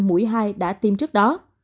khi hai đã tiêm trước đó